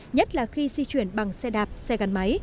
nhất là khi di chuyển bằng xe đạp xe gắn máy